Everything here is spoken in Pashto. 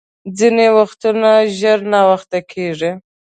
ځیني وختونه ژر ناوخته کېږي .